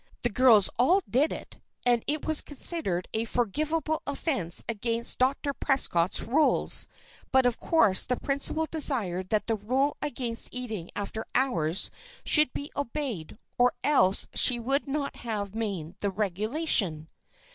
The girls all did it, and it was considered a forgivable offence against Dr. Prescott's rules; but of course the principal desired that the rule against eating after hours should be obeyed, or else she would not have made the regulation.